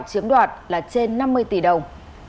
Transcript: chiếm đoạt là trên năm mươi tỷ đồng